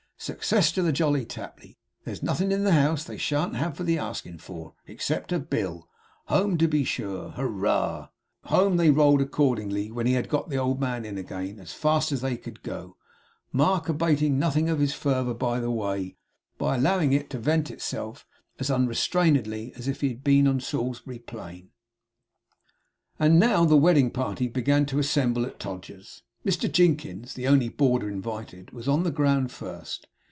Success to the Jolly Tapley! There's nothin' in the house they shan't have for the askin' for, except a bill. Home to be sure! Hurrah!' Home they rolled accordingly, when he had got the old man in again, as fast as they could go; Mark abating nothing of his fervour by the way, by allowing it to vent itself as unrestrainedly as if he had been on Salisbury Plain. And now the wedding party began to assemble at Todgers's. Mr Jinkins, the only boarder invited, was on the ground first.